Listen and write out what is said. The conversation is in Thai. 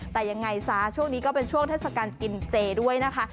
แต่ยังไงซะช่วงนี้ก็เป็นช่วงเทศกาลกินเจด้วยนะคะ